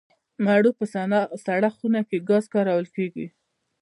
د مڼو په سړه خونه کې ګاز کارول کیږي؟